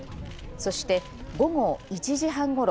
そして、午後１時半ごろ。